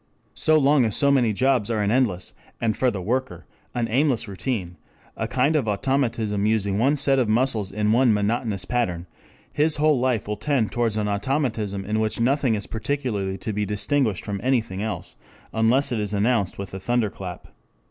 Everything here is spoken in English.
So long as so many jobs are an endless and, for the worker, an aimless routine, a kind of automatism using one set of muscles in one monotonous pattern, his whole life will tend towards an automatism in which nothing is particularly to be distinguished from anything else unless it is announced with a thunderclap.